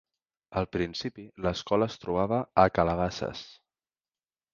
Al principi l'escola es trobava a Calabasas.